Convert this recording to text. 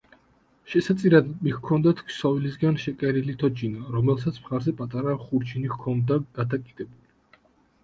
შესაწირად მიჰქონდათ ქსოვილისგან შეკერილი თოჯინა, რომელსაც მხარზე პატარა ხურჯინი ჰქონდა გადაკიდებული.